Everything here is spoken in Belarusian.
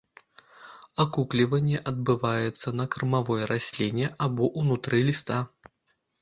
Акукліванне адбываецца на кармавой расліне або ўнутры ліста.